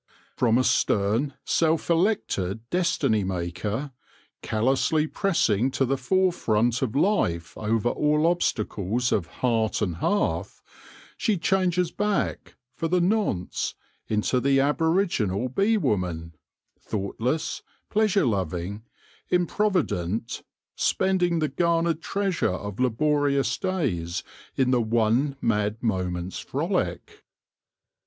From a stern, self elected destiny maker, callously pressing to the fore front of life over all obstacles of heart and hearth, she changes back, for the nonce, into the aboriginal bee woman, thoughtless, pleasure loving, improvi dent, spending the garnered treasure of laborious days in the one mad moment's frolic.